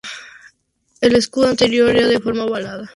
El escudo anterior era de forma ovalada.